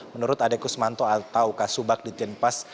menurut ade kusmanto atau kasubag di tienpas